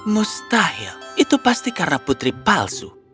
mustahil itu pasti karena putri palsu